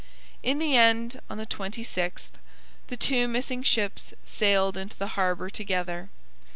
In the end, on the 26th, the two missing ships sailed into the harbour together.